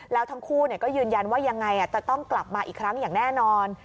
แล้วทั้งคู่ก็ยืนยันว่ายังไงจะต้องกลับมาอีกครั้งอย่างแน่นอน